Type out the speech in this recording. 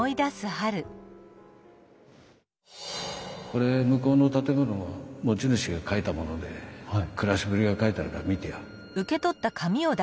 これ向こうの建物の持ち主が書いたもので暮らしぶりが書いてあるから見てよ。